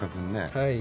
はい。